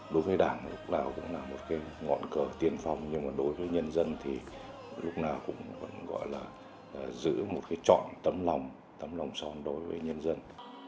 đối với đảng lúc nào cũng là một cái ngọn cờ tiên phong nhưng mà đối với nhân dân thì lúc nào cũng vẫn gọi là giữ một cái trọn tâm lòng tấm lòng son đối với nhân dân